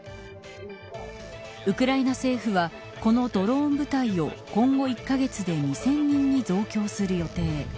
ウクライナ政府はこのドローン部隊を今後１カ月で２０００人に増強する予定。